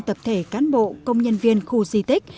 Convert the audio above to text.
tập thể cán bộ công nhân viên khu di tích